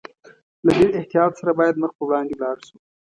له ډېر احتیاط سره باید مخ پر وړاندې ولاړ شو.